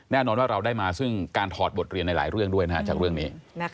แน่นอนว่าเราได้มาซึ่งการถอดบทเรียนในหลายเรื่องด้วยจากเรื่องนี้